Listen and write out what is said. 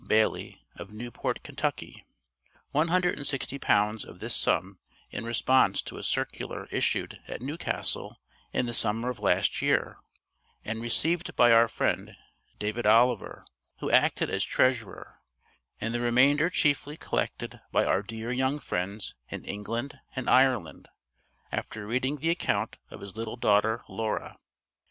Bailey, of Newport, Kentucky; £160 of this sum in response to a circular issued at Newcastle in the summer of last year, and received by our friend, David Oliver, who acted as treasurer, and the remainder chiefly collected by our dear young friends in England and Ireland, after reading the account of his little daughter, "Laura."